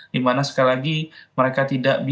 dimana sekali lagi mereka tidak